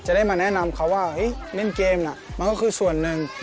ได้มาแนะนำเขาว่าเล่นเกมน่ะมันก็คือส่วนหนึ่ง